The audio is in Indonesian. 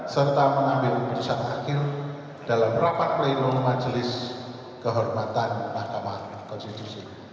serta mengambil keputusan akhir dalam rapat pleno majelis kehormatan mahkamah konstitusi